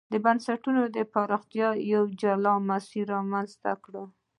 د بنسټونو د پراختیا یو جلا مسیر رامنځته کړ.